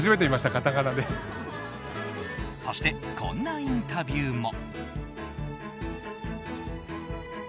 そしてこんなインタビューも。